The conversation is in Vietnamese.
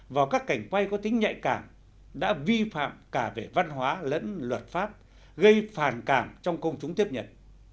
vào các cảnh quay có tính nhạy cảm đã vi phạm cả về văn hóa lẫn luật pháp gây phàn cảm trong công chúng tiếp nhận